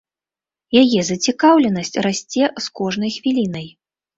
Яе зацікаўленасць расце з кожнай хвілінай.